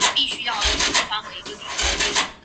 毕业于云南省委党校函授学院行政管理专业。